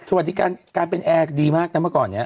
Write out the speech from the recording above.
สวัสดีการการเป็นแอร์ดีมากนะเมื่อก่อนนี้